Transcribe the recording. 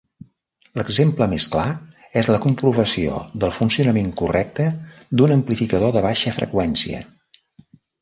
L'exemple més clar és la comprovació del funcionament correcte d'un amplificador de baixa freqüència.